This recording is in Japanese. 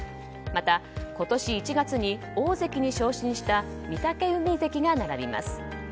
また、今年１月に大関に昇進した御嶽海関が並びます。